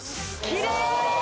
きれい！